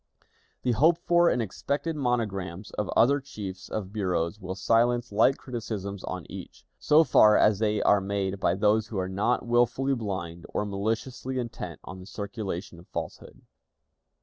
The hoped for and expected monograms of other chiefs of bureaus will silence like criticisms on each, so far as they are made by those who are not willfully blind, or maliciously intent on the circulation of falsehood.